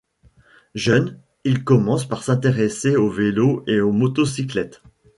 Jeune, il commence par s'intéresser aux vélos et aux motocyclettes.